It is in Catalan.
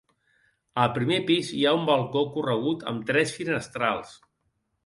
Al primer pis hi ha un balcó corregut amb tres finestrals.